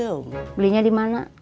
tukang basonya dimana